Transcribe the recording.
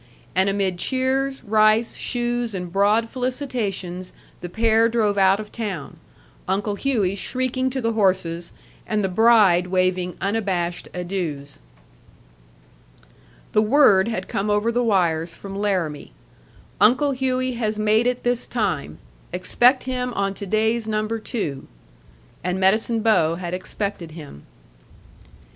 And amid cheers, rice, shoes, and broad felicitations, the pair drove out of town, Uncle Hughey shrieking to the horses and the bride waving unabashed adieus. The word had come over the wires from Laramie: "Uncle Hughey has made it this time. Expect him on to day's number two." And Medicine Bow had expected him.